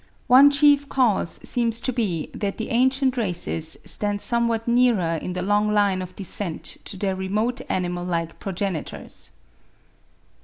One chief cause seems to be that the ancient races stand somewhat nearer in the long line of descent to their remote animal like progenitors.